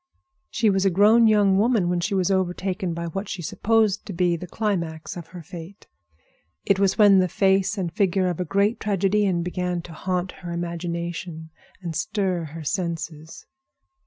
She was a grown young woman when she was overtaken by what she supposed to be the climax of her fate. It was when the face and figure of a great tragedian began to haunt her imagination and stir her senses.